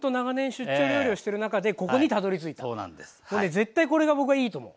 絶対これが僕はいいと思う。